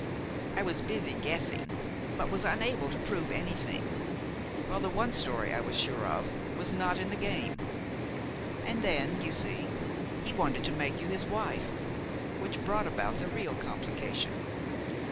I was busy guessing; but was unable to prove anything, while the one story I was sure of was not in the game. And then, you see, he wanted to make you his wife, which brought about the real complication.